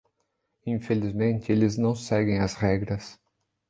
Infelizmente eles não seguem as regras.